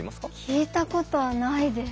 聞いたことないです。